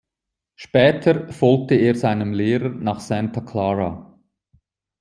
Später folgte er seinem Lehrer nach Santa Clara.